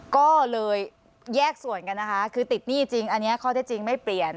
ก็เลยแยกส่วนกันนะคะคือติดหนี้จริงอันนี้ข้อเท็จจริงไม่เปลี่ยน